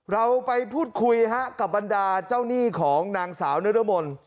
เราไปพูดคุยกับบรรดาเจ้าหนี้ของนางสาวนรมน